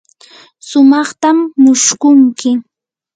sumaqtam mushkunki.